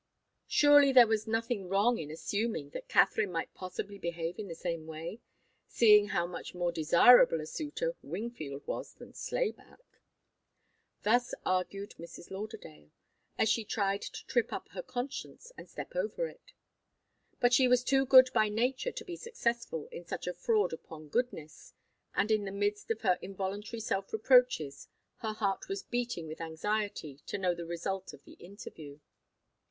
Surely, there was nothing wrong in assuming that Katharine might possibly behave in the same way, seeing how very much more desirable a suitor Wingfield was than Slayback. Thus argued Mrs. Lauderdale, as she tried to trip up her conscience and step over it. But she was too good by nature to be successful in such a fraud upon goodness, and in the midst of her involuntary self reproaches, her heart was beating with anxiety to know the result of the interview.